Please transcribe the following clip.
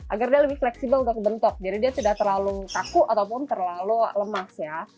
agar dia lebih fleksibel untuk kebentok jadi dia tidak terlalu kaku ataupun terlalu lemas ya